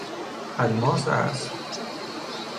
الماس اصل